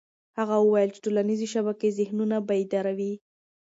هغه وویل چې ټولنيزې شبکې ذهنونه بیداروي.